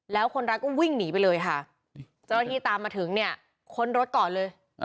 แล้วคนรักก็วิ่งหนีไปเลยค่ะเจ้าหน้าที่ตามมาถึงเนี่ยค้นรถก่อนเลย